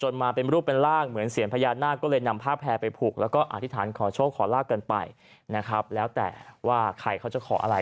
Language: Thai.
หรือว่าเกี่ยวกับต้นไม้ลงมาดูเหมือนกันนะ